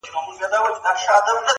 په یوه آواز راووتل له ښاره؛